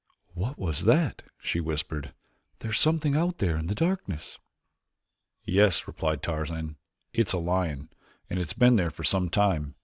"What is that?" she whispered. "There is something out there in the darkness." "Yes," replied Tarzan, "it is a lion. It has been there for some time.